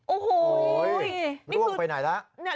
โอ้โหล่วงไปไหนแล้ว